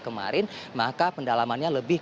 kemarin maka pendalamannya lebih